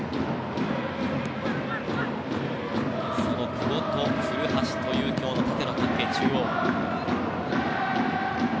久保と古橋という今日の縦の関係、中央。